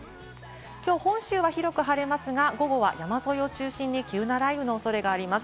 きょう本州は広く晴れますが、午後は山沿いを中心に急な雷雨のおそれがあります。